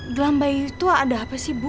gelang bayi itu ada apa sih bu